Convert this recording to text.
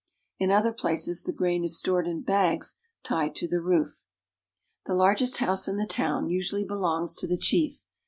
In other places the grain is stored in bags tied to the roof. The largest house in the town usually belongs to the chief.